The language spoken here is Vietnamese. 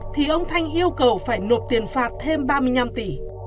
thì ông thanh yêu cầu phải nộp tiền phạt thêm ba mươi năm tỷ